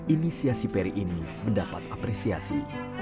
inisiasi peri ini mendapat apresiasi